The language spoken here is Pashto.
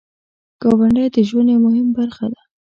ګاونډی د ژوند یو مهم برخه ده